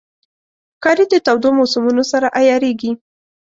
ښکاري د تودو موسمونو سره عیارېږي.